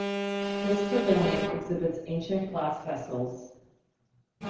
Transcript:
This pavilion exhibits ancient glass vessels.